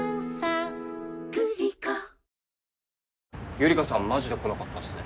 ゆりかさんマジで来なかったっすね